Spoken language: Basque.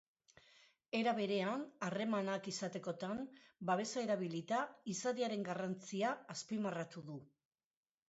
Era berean, harremanak izatekotan, babesa erabilita izatearen garrantzia azpimarratu du.